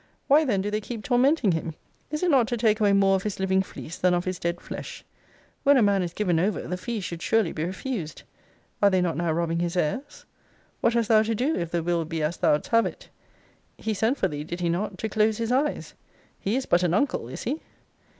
Why then do they keep tormenting him? Is it not to take away more of his living fleece than of his dead flesh? When a man is given over, the fee should surely be refused. Are they not now robbing his heirs? What has thou to do, if the will be as thou'dst have it? He sent for thee [did he not?] to close his eyes. He is but an uncle, is he?